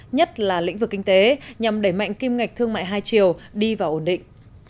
nhất là lĩnh vực kinh tế nhằm đẩy mạnh kim ngạch thương mại hai chiều đi vào ổn định